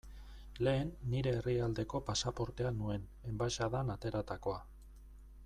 Lehen nire herrialdeko pasaportea nuen, enbaxadan ateratakoa.